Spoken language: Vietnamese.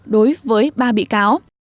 đối với ba bị cáo